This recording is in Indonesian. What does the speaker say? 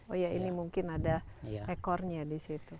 oh ya ini mungkin ada ekornya di situ